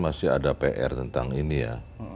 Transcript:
masih ada pr tentang ini ya